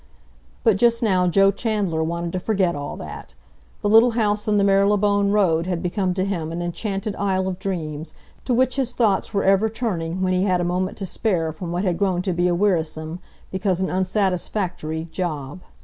But just now Joe Chandler wanted to forget all that. The little house in the Marylebone Road had become to him an enchanted isle of dreams, to which his thoughts were ever turning when he had a moment to spare from what had grown to be a wearisome, because an unsatisfactory, job.